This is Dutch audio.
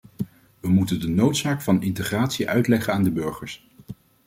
We moeten de noodzaak van integratie uitleggen aan de burgers.